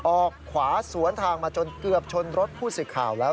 ออกขวาสวนทางมาจนเกือบชนรถผู้สื่อข่าวแล้ว